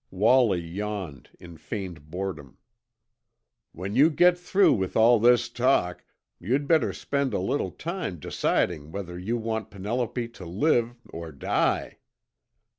Wallie yawned in feigned boredom. "When you get through with all this talk, you'd better spend a little time deciding whether you want Penelope to live or die!"